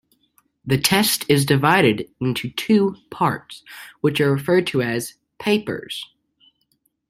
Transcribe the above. The test is divided into two parts, which are referred to as "papers".